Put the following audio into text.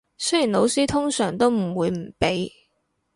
雖然老師通常都唔會唔俾